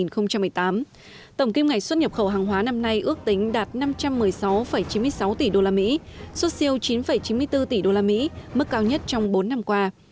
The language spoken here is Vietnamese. trong đó tổng kim ngạch xuất nhập khẩu hàng hóa năm nay ước tính đạt năm trăm một mươi sáu chín mươi sáu tỷ usd xuất siêu chín chín mươi bốn tỷ usd mức cao nhất trong bốn năm qua